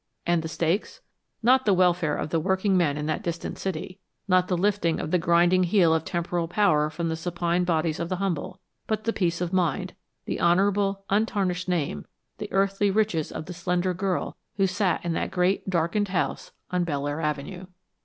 And the stakes? Not the welfare of the workingmen in that distant city, not the lifting of the grinding heel of temporal power from the supine bodies of the humble but the peace of mind, the honorable, untarnished name, the earthly riches of the slender girl who sat in that great darkened house on Belleair Avenue.